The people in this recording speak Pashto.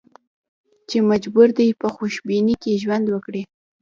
چې مجبور دي په خوشبینۍ کې ژوند وکړي.